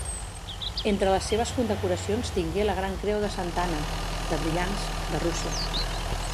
Entre les seves condecoracions tingué la gran creu de Santa Anna, de brillants, de Rússia.